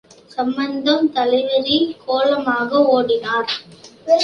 சம்பந்தம் தலைவிரி கோலமாக ஓடினார்.